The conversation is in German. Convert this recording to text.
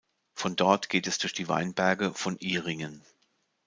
Von dort geht es durch die Weinberge von Ihringen.